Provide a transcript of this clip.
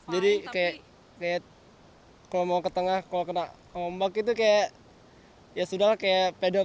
jadi kayak kalau mau ke tengah kalau kena ombak itu kayak ya sudah lah kayak pedal